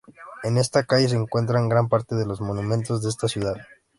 En esta calle se encuentran gran parte de los monumentos de esta ciudad.